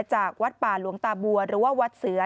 จากวัดป่าหลวงตาบัวหรือว่าวัดเสือ